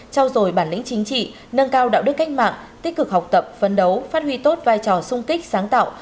trao dồi bản lĩnh chính trị nâng cao đạo đức cách mạng tích cực học tập phấn đấu phát huy tốt vai trò sung kích sáng tạo